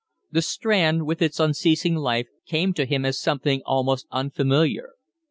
The Strand, with its unceasing life, came to him as something almost unfamiliar.